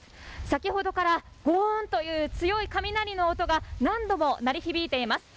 先ほどからゴーンという強い雷の音が何度も鳴り響いています。